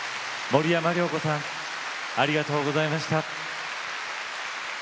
森山良子さんありがとうございました。